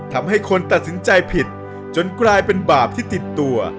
ทำให้คนตัดสินใจผิดจนกลายเป็นบาปที่ติดตัว